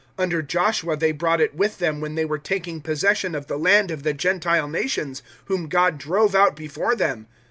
Under Joshua they brought it with them when they were taking possession of the land of the Gentile nations, whom God drove out before them.